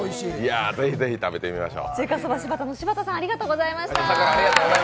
ぜひぜひ食べてみましょう。